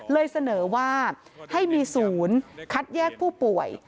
เลยเสนอว่าให้มีศูนย์คัดแยกผู้ป่วย